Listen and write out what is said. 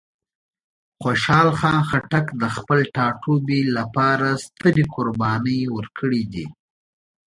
خوشحال خان خټک د خپل ټاټوبي لپاره سترې قربانۍ ورکړې دي.